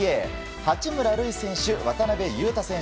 八村塁選手、渡邊雄太選手